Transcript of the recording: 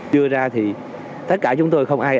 đưa ra thì tất cả chúng tôi không ai